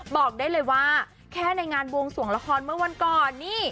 บอกได้เลยว่าแค่ในงานบวงสวงละครเมื่อวันก่อนนี่